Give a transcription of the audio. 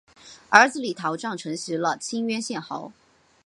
儿子李桃杖承袭了清渊县侯。